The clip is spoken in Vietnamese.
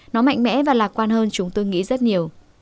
nó mạnh mẽ và lạc quan hơn chúng tôi nghĩ rất nhiều